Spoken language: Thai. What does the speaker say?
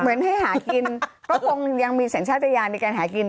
เหมือนให้หากินก็คงยังมีสัญชาติยานในการหากิน